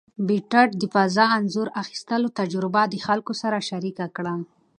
پېټټ د فضا انځور اخیستلو تجربه د خلکو سره شریکه کړه.